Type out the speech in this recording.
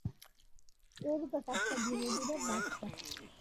এইরূপে কাজটা ধীরে ধীরে বাড়তে থাকুক।